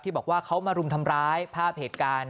บอกว่าเขามารุมทำร้ายภาพเหตุการณ์